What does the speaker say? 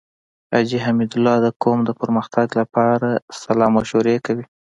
حاجی حميدالله د قوم د پرمختګ لپاره صلاح مشوره کوي.